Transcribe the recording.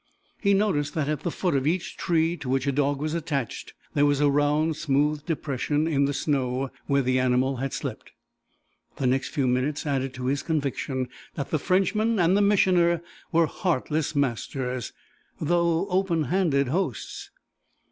He noticed that at the foot of each tree to which a dog was attached there was a round, smooth depression in the snow, where the animal had slept. The next few minutes added to his conviction that the Frenchman and the Missioner were heartless masters, though open handed hosts.